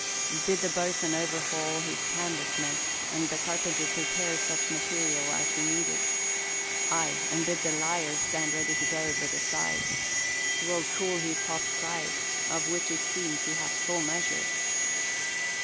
"Bid the boatswain overhaul his canvas, mate, and the carpenter prepare such material as be needful. Aye, and bid the 'liar' stand ready to go over the side. 'Twill cool his hot pride, of which it seems he hath full measure."